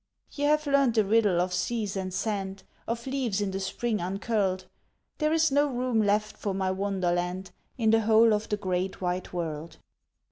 Ye have learnt the riddle of seas and sand, Of leaves in the spring uncurled; There is no room left for my wonderland In the whole of the great wide world.